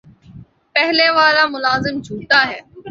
پہلے والا ملازم جھوٹا ہے